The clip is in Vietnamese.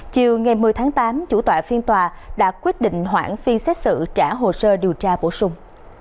chiều ngày một mươi tháng tám chủ tọa phiên tòa đã quyết định hoãn phiên xét xử trả hồ sơ điều tra bổ sung